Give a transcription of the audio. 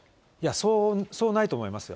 そうないと思いますよ。